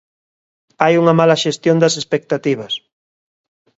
Hai unha mala xestión das expectativas.